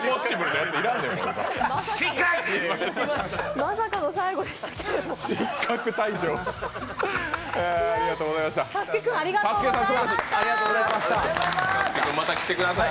まさかの最後でしたけれども。